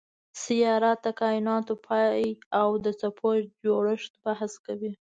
سیارات د کایناتو پای او د څپو جوړښت بحث کوي.